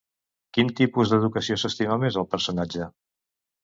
Quin tipus d'educació s'estima més el personatge?